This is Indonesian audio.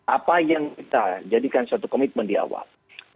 apa yang kita jadikan suatu komitmen di awal